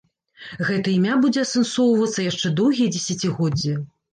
Гэта імя будзе асэнсоўвацца яшчэ доўгія дзесяцігоддзі.